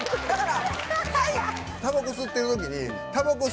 たばこ吸ってる時に。